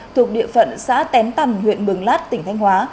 thuộc địa phận xã tén tằn huyện mường lát tỉnh thanh hóa